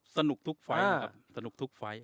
สนุกทุกไฟล์